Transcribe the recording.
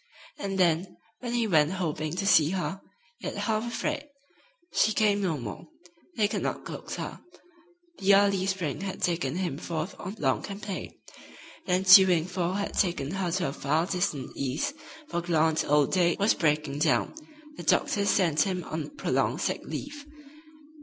And then, when he went hoping to see her, yet half afraid, she came no more. They could not coax her. The early spring had taken him forth on long campaign. The ensuing fall had taken her to the far distant East, for gallant old Dade was breaking down. The doctors sent him on prolonged sick leave.